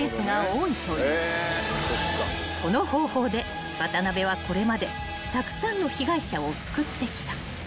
［この方法で渡邉はこれまでたくさんの被害者を救ってきた］